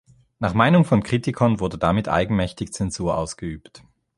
Nach Meinung von Kritikern wurde damit eigenmächtig Zensur ausgeübt.